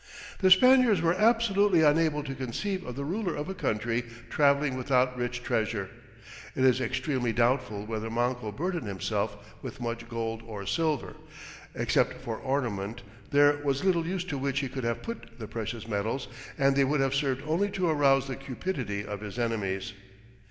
The Spaniards were absolutely unable to conceive of the ruler of a country traveling without rich "treasure." It is extremely doubtful whether Manco burdened himself with much gold or silver. Except for ornament there was little use to which he could have put the precious metals and they would have served only to arouse the cupidity of his enemies.